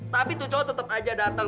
tapi tuh cowok tetap aja datang